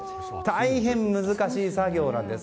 大変難しい作業なんです。